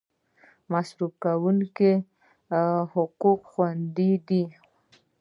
د مصرف کونکو حقوق خوندي دي؟